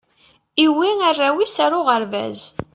iwwi arraw is ar uɣerbaz